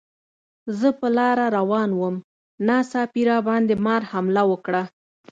زه په لاره روان وم، ناڅاپي راباندې مار حمله وکړه.